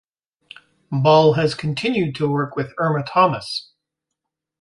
Ball has continued to work with Irma Thomas.